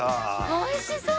おいしそう！